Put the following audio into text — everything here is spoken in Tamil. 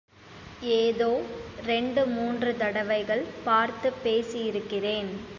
ஏதோ ரெண்டு மூன்று தடவைகள் பார்த்துப் பேசியிருக்கிறேன்.